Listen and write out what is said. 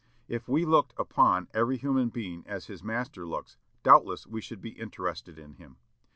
If we looked upon a human being as his Maker looks, doubtless we should be interested in him.